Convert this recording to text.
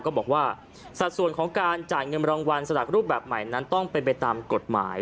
ก็บอกว่าสัดส่วนของการจ่ายเงินรางวัลสลากรูปแบบใหม่นั้นต้องเป็นไปตามกฎหมาย